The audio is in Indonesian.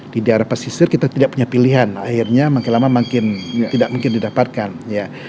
di daerah pesisir kita tidak punya pilihan akhirnya makin lama makin tidak mungkin didapatkan ya